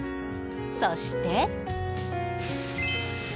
そして。